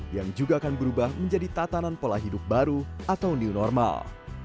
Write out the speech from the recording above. yang juga akan berubah menjadi tatanan pola hidup baru atau new normal